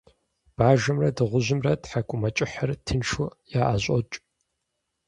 Бажэмрэ дыгъужьымрэ тхьэкIумэкIыхьыр тыншу яIэщIокI.